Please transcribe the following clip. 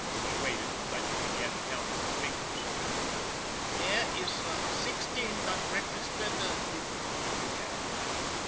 They waited, and Dutchy began to count on his fin gers. " Dere iss sixteen dot breakfasted didn'd," he began.